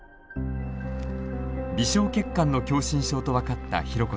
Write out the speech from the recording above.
微小血管の狭心症と分かったひろこさん。